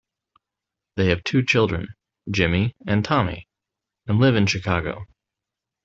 They have two children, Jimmy and Tommy, and live in Chicago.